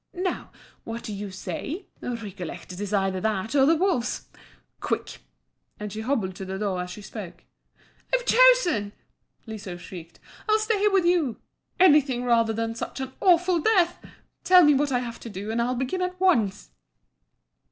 Now, what do you say? Recollect, it is either that or the wolves! Quick," and she hobbled to the door as she spoke. "I've chosen!" Liso shrieked. "I'll stay with you. Anything rather than such an awful death. Tell me what I have to do and I'll begin at once."